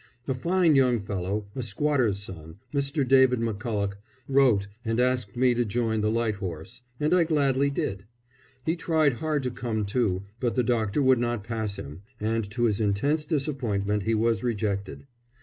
A fine young fellow, a squatter's son, Mr. David McCulloch, wrote and asked me to join the Light Horse, and I gladly did. He tried hard to come, too, but the doctor would not pass him, and to his intense disappointment he was rejected.